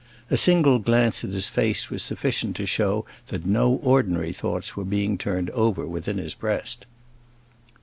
A single glance at his face was sufficient to show that no ordinary thoughts were being turned over within his breast.